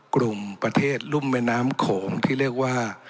กลุ่มประเทศรุ่มแม่น้ำโขงที่เรียกว่า